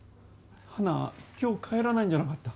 花、今日帰らないんじゃなかった？